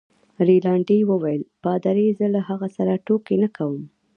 رینالډي وویل: پادري؟ زه له هغه سره ټوکې نه کوم.